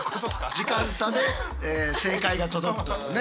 時間差で正解が届くというね。